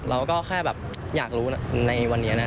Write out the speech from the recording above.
เราก็แค่อยากรู้ในวันเนี้ยนะฮะ